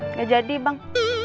nggak jadi bang